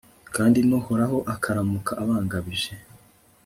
kandi n'uhoraho akaramuka abangabije